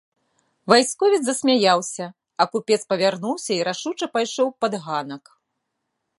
Вайсковец засмяяўся, а купец павярнуўся і рашуча пайшоў пад ганак.